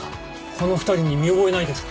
この２人に見覚えないですか？